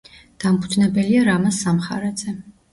დამფუძნებელია რამაზ სამხარაძე.